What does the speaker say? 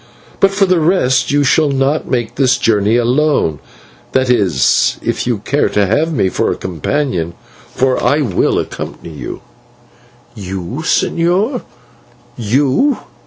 But for the rest you shall not make this journey alone, that is, if you care to have me for a companion, for I will accompany you." "You, señor, /you